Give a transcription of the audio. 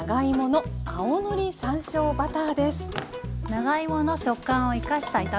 長芋の食感を生かした炒め物です。